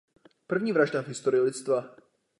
První vražda v historii lidstva.